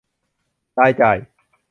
รายจ่าย